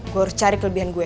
gue harus cari kelebihan gue